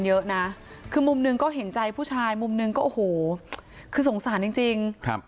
เยอะน่ะคือมุมนึงก็เห็นใจผู้ชายมุมนึงก็โอโหคือสงสารจริง